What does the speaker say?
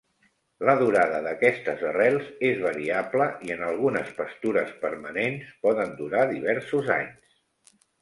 La durada d'aquestes arrels és variable i en algunes pastures permanents poden durar diversos anys.